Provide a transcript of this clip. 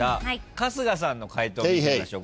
春日さんの解答見てみましょう。